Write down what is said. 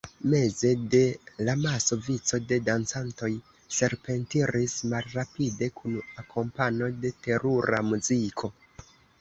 Meze de l' amaso, vico de dancantoj serpentiris malrapide kun akompano de terura muziko.